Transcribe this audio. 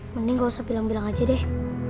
mending gak usah bilang bilang aja deh